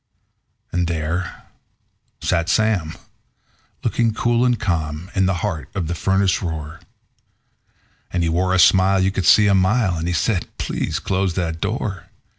And there sat Sam, looking cool and calm, in the heart of the furnace roar; And he wore a smile you could see a mile, and he said: "Please close that door.